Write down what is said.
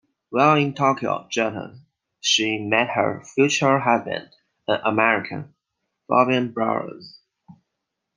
While in Tokyo, Japan, she met her future husband, an American, Faubion Bowers.